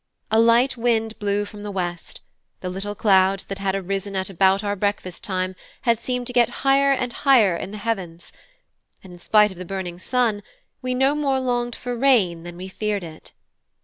A light wind blew from the west; the little clouds that had arisen at about our breakfast time had seemed to get higher and higher in the heavens; and in spite of the burning sun we no more longed for rain than we feared it.